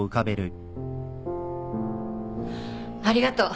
ありがとう。